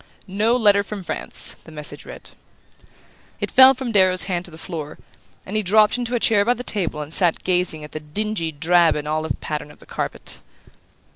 "No letter from France," the message read. It fell from Darrow's hand to the floor, and he dropped into a chair by the table and sat gazing at the dingy drab and olive pattern of the carpet.